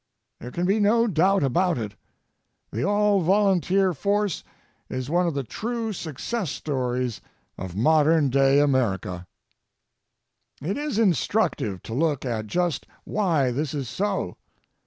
There can be no doubt about it: The All Volunteer Force is one of the true success stories of modern day America. It is instructive to look at just why this is so.